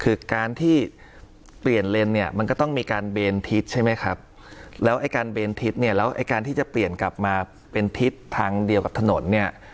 คือการที่เปลี่ยนเลนเนี่ยมันก็ต้องมีการเบนทิศใช่ไหมครับแล้วไอ้การเบนทิศเนี่ยแล้วไอ้การที่จะเปลี่ยนกลับมาเป็นทิศทางเดียวกับถนนเนี่ย